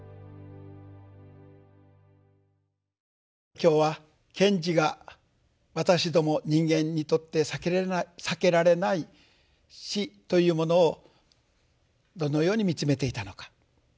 今日は賢治が私ども人間にとって避けられない死というものをどのように見つめていたのか。